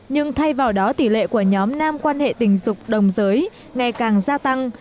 nhưng thay vào đó tỷ lệ của nhóm nam quan hệ tình dục đồng giới ngày càng gia tăng